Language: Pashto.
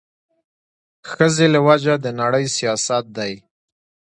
ښځې له وجه د نړۍ ښايست دی